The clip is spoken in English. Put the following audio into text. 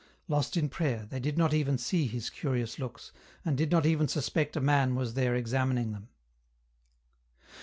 Lost in prayer, they did not even see his curious looks, and did not even suspect a man was there examining them.